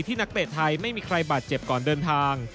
นักเตะไทยไม่มีใครบาดเจ็บก่อนเดินทาง